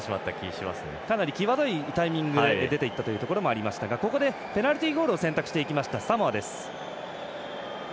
かなり際どいタイミングで出ていったとも思われますがここでペナルティゴールを選択していきましたサモアです。